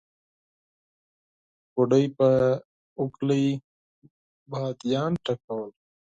بوډۍ په اوکلۍ باديان ټکول.